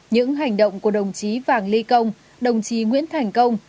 những hành động của đồng chí vàng ly công đồng chí nguyễn thành công